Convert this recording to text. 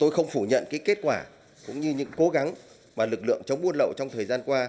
tôi không phủ nhận cái kết quả cũng như những cố gắng mà lực lượng chống buôn lậu trong thời gian qua